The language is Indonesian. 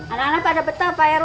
anak anak pada betah pak heru